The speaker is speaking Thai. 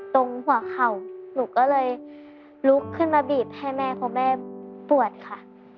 ตรงหัวเข่าหนูก็เลยลุกขึ้นมาบีบให้แม่เพราะแม่ปวดค่ะ